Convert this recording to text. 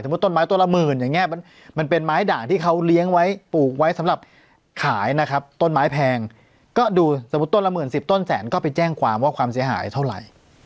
ต้นไม้ต้นละหมื่นอย่างนี้มันเป็นไม้ด่างที่เขาเลี้ยงไว้ปลูกไว้สำหรับขายนะครับต้นไม้แพงก็ดูสมมุติต้นละหมื่นสิบต้นแสนก็ไปแจ้งความว่าความเสียหายเท่าไหร่